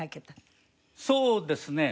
そうですね。